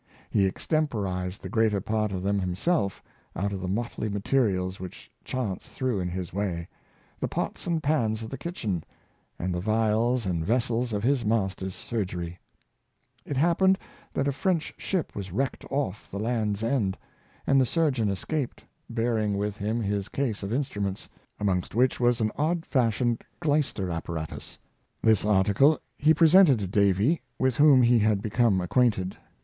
He extemporized the greater part of them himself, out o{ the motley materials which chance threw in his way — the pots and pans of the kitchen, and the vials and vessels of his master's surge r}^ It happened that a French ship was wrecked off the Land's End, and the surgeon escaped, bearing with him his case of instruments, amongst which was an old fashioned glyster apparatus; this article he presented to Davy, with whom he had become acquainted.